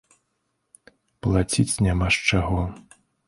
Плаціць няма з чаго.